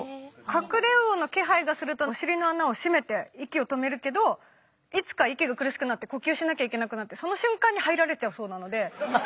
カクレウオの気配がするとお尻の穴を締めて息を止めるけどいつか息が苦しくなって呼吸しなきゃいけなくなってその瞬間に入られちゃうそうなので。